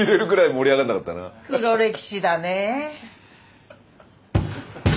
黒歴史だね。